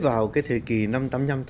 vào cái thời kỳ năm tám mươi năm tám mươi sáu